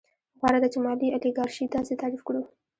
غوره ده چې مالي الیګارشي داسې تعریف کړو